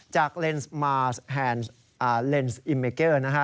จากเลนส์มาร์สแฮนด์เลนส์อิมเมเกอร์